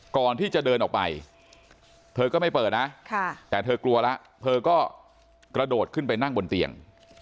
ก่อนที่จะเดินออกไปเธอก็ไม่เปิดนะแต่เธอกลัวแล้วเธอก็กระโดดขึ้นไปนั่งบนเตียง